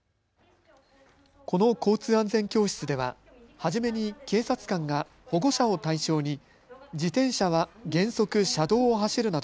この交通安全教室では初めに警察官が保護者を対象に自転車は原則車道を走るなど